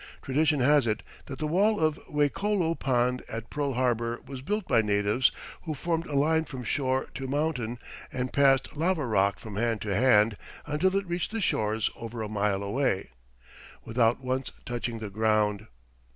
Tradition has it that the wall of Wekolo Pond at Pearl Harbour was built by natives who formed a line from shore to mountain and passed lava rock from hand to hand until it reached the shores over a mile away, without once touching the ground.